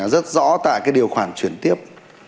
rất rõ tại điều khoản chuyển tiếp